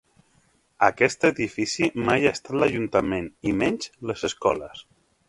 Aquest edifici mai ha estat l'ajuntament i menys les escoles.